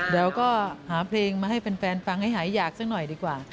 เดี๋ยวก็หาเพลงมาให้แฟนฟังให้หายอยากสักหน่อยดีกว่า